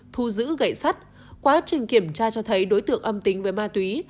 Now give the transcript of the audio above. thu giữ gậy sắt quá trình kiểm tra cho thấy đối tượng âm tính với ma túy